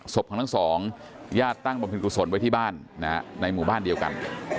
ศพของทั้งสองญาติตั้งบำเพ็ญกุศลไว้ที่บ้านในหมู่บ้านเดียวกัน